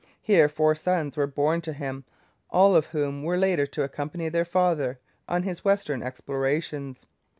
Here four sons were born to him, all of whom were later to accompany their father on his western explorations.